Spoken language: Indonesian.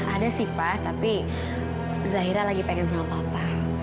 ada sih pak tapi zaira lagi pengen sama bapak